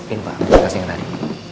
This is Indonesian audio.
ini pak lokasi yang tadi